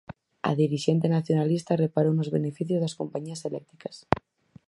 A dirixente nacionalista reparou nos beneficios das compañías eléctricas.